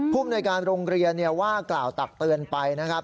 ภูมิในการโรงเรียนว่ากล่าวตักเตือนไปนะครับ